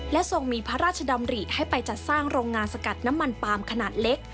ทรงมีพระราชดำริให้ไปจัดสร้างโรงงานสกัดน้ำมันปาล์มขนาดเล็ก